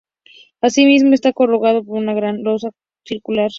Así mismo está coronado por una gran losa circular.